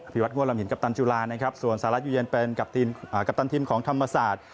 วัดหัวลำหินกัปตันจุลานะครับส่วนสหรัฐอยู่เย็นเป็นกัปตันทีมของธรรมศาสตร์